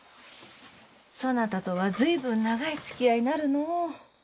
そなたとは随分長い付き合いになるのう。